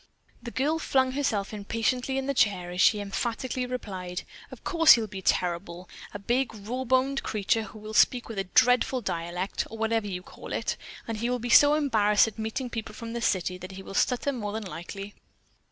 The girl flung herself impatiently in the chair as she emphatically replied: "Of course he'll be terrible! A big, rawboned creature who will speak with a dreadful dialect, or whatever you call it; and he will be so embarrassed at meeting people from the city, that he will stutter more than likely."